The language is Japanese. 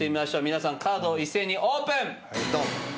皆さんカードを一斉にオープン！